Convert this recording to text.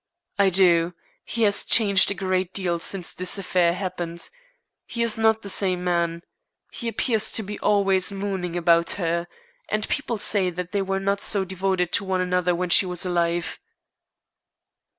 "I do. He has changed a great deal since this affair happened. He is not the same man. He appears to be always mooning about her. And people say that they were not so devoted to one another when she was alive."